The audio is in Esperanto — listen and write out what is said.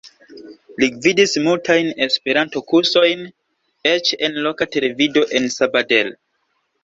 Li gvidis multajn Esperanto-kursojn, eĉ en loka televido en Sabadell.